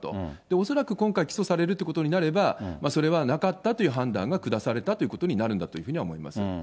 恐らく今回、起訴されるということになれば、それはなかったという判断が下されたということになるんだと思い